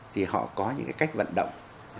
thì họ có những cái cách vận động